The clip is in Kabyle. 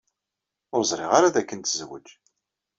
Ur ẓriɣ ara dakken tezwej.